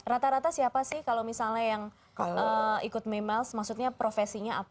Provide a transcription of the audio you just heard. rata rata siapa sih kalau misalnya yang ikut memiles maksudnya profesinya apa